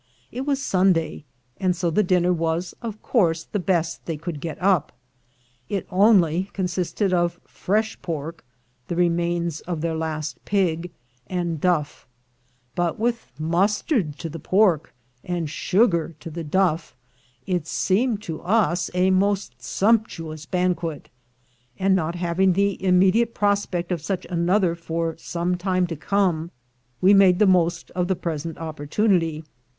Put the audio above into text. It was Sunday, and so the dinner was of course the best they could get up. It only consisted of fresh pork (the remains of their last pig), and duff; but with mustard to the pork, and sugar to the duff, it seemed to us a most sumptuous banquet; and, not having the immediate prospect of such another for some time to come, we made the most of the present opportunity.